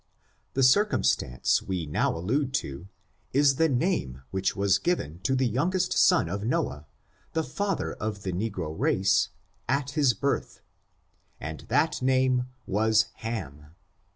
The circumstance we now allude to, is the name which was given to the youngest son of Noah, the father of the negro race, at his birth, and that name was Ham.